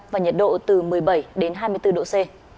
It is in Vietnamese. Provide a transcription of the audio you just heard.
và nhiệt độ từ một mươi bảy đến hai mươi bốn độ c